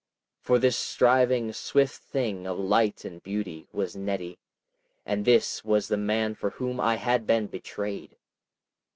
... For this striving, swift thing of light and beauty was Nettie—and this was the man for whom I had been betrayed!